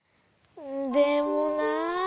でもなあ。